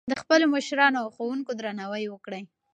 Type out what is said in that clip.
د خپلو مشرانو او ښوونکو درناوی وکړئ.